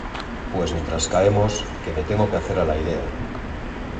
pues mientras caemos, que me tengo que hacer a la idea